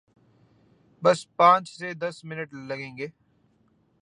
بس پانچھ سے دس منٹ لگئیں گے۔